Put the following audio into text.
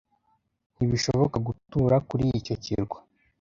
Ntibishoboka gutura kuri icyo kirwa.